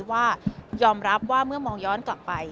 ว่ายอมรับว่าเมื่อมองย้อนกลับไป